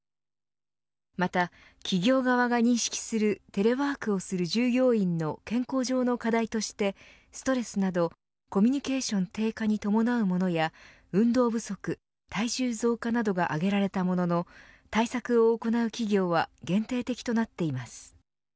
また、企業側が認識するテレワークをする従業員の健康上の課題としてストレスなどコミュニケーション低下に伴うものや運動不足、体重増加などが挙げられたものの対策を行う企業は限定的となっています。